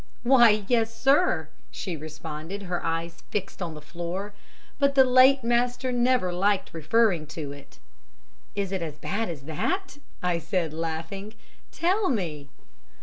"'Why, yes, sir!' she responded, her eyes fixed on the floor, 'but the late master never liked referring to it.' "'Is it as bad as that?' I said, laughing. 'Tell me!'